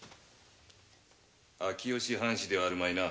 秋吉藩士ではあるまいな。